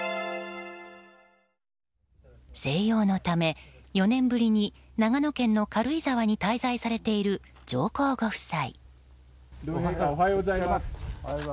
静養のため、４年ぶりに長野県の軽井沢に滞在されている上皇ご夫妻。